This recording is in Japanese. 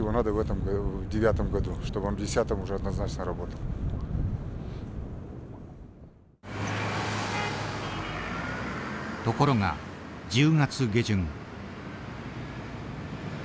ところが１０月下旬。